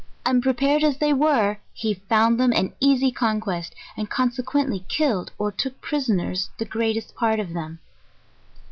Unprepared as they were, he found them an easy conquest, asd consequently killed or took prisoners the greatest part of them.